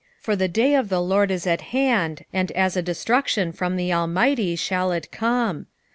for the day of the LORD is at hand, and as a destruction from the Almighty shall it come.